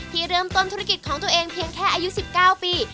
ที่เริ่มต้นธุรกิจของตัวเองเพียงแค่อายุ๑๙ปี